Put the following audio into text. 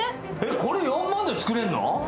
これ、４万で作れんの？